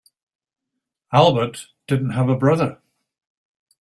Albert didn't have a brother.